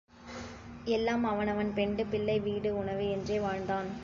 எல்லாம், அவனவன் பெண்டு, பிள்ளை, வீடு, உணவு என்றே வாழ்ந்தான்.